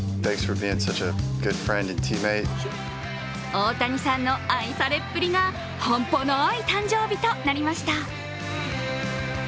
大谷さんの愛されっぷりが半端ない誕生日となりました。